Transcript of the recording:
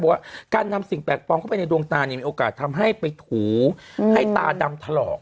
ว่าการนำสิ่งแปลกปลอมเข้าไปในดวงตาเนี่ยมีโอกาสทำให้ไปถูให้ตาดำถลอก